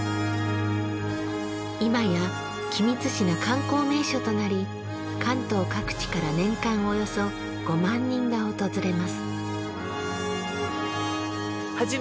いまや君津市の観光名所となり関東各地から年間およそ５万人が訪れます。